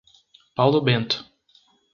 Paulo Bento